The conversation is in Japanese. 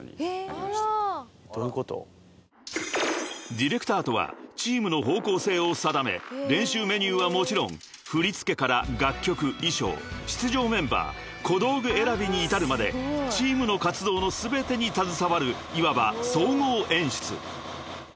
［ディレクターとはチームの方向性を定め練習メニューはもちろん振り付けから楽曲衣装出場メンバー小道具選びに至るまでチームの活動の全てに携わるいわば総合演出］